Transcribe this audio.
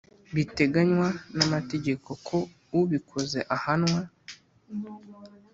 biteganywa namategeko ko ubikoze ahanwa